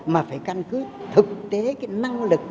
mà phải căn cứ thực tế năng lực